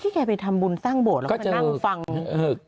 ที่แกไปทำบุญสร้างบทและเขาไปลองฟังเต็มบทเลย